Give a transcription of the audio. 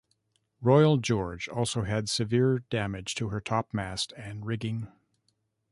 "Royal George" also had severe damage to her top mast and rigging.